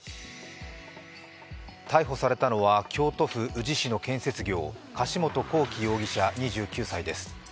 逮捕されたのは京都府宇治市の建設業、柏本光樹容疑者２９歳です。